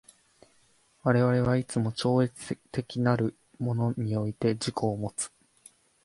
我々はいつも超越的なるものにおいて自己をもつ。